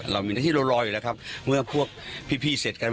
เรามีที่รออยู่แล้วครับเมื่อพวกพี่เสร็จกัน